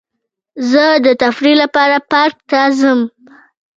زه د تفریح لپاره پارک ته ځم.